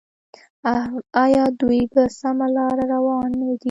آیا دوی په سمه لار روان نه دي؟